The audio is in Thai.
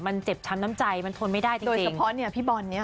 มันเจ็บช้ำน้ำใจมันทนไม่ได้จริงเฉพาะเนี่ยพี่บอลเนี่ย